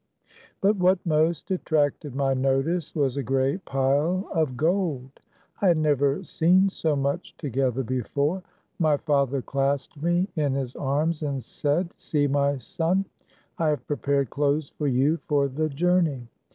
But what most attracted my notice was a great pile of gold. I had never seen so much together before. My father clasped me in his arms and said, " See, my son ! I have prepared clothes for you for the journey.